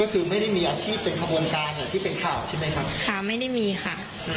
ก็คือไม่ได้มีอาชีพเป็นขบวนการที่เป็นข่าวใช่ไหมครับค่ะไม่ได้มีค่ะ